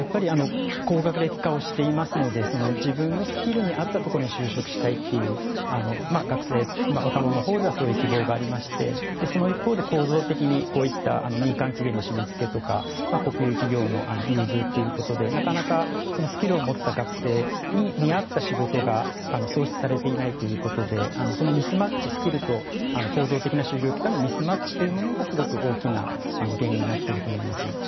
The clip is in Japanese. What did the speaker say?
高学歴化してますので自分のスキルに合ったところに就職したいという学生や若者のほうではそういう希望がありましてその一方で構造的に民間企業の締め付けとか国有企業の優遇ということでなかなか、スキルを持った学生に見合った仕事が創出されていないということでその構造的なミスマッチがすごく大きな原因になっていると思います。